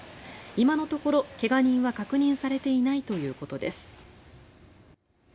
今のところ怪我人は確認されていないということです。